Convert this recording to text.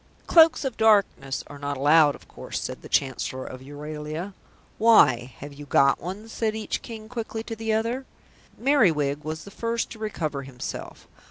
"Cloaks of Darkness are not allowed, of course," said the Chancellor of Euralia. "Why, have you got one?" said each King quickly to the other. Merriwig was the first to recover himself.